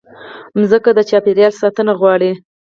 مځکه د چاپېریال ساتنه غواړي.